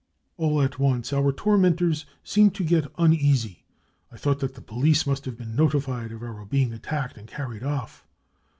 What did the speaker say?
" All at once our tormentors seemed to get uneasy. I thought that the police must have been notified of our being attacked and carried off.